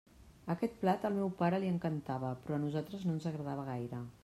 Aquest plat, al meu pare, li encantava, però a nosaltres no ens agradava gaire.